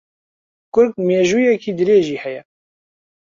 گورگ مێژوویییەکی درێژی ھەیە